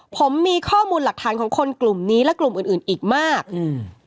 ผมมีข้อมูลหลักฐานของคนกลุ่มนี้และกลุ่มอื่นอื่นอีกมากอืม